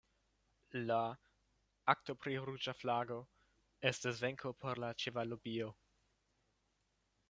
La "Akto pri ruĝa flago" estis venko por la ĉeval-lobio.